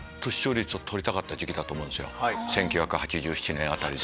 １９８７年辺りで。